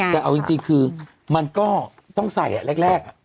แต่เอาจริงคือมันก็ต้องใส่แรก